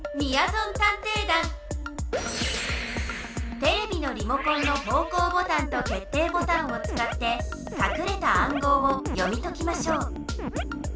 テレビのリモコンの方向ボタンと決定ボタンをつかってかくれた暗号を読み解きましょう。